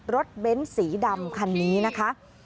เบ้นสีดำคันนี้นะคะ